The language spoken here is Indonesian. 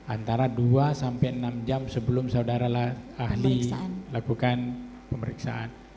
antara dua sampai enam jam sebelum saudara ahli lakukan pemeriksaan